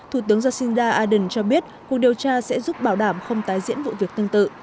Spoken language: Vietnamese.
thủ tướng jacinda ardern cho biết cuộc điều tra sẽ giúp bảo đảm không tái diễn vụ việc tương tự